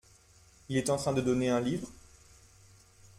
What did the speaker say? Il est en train de donner un livre ?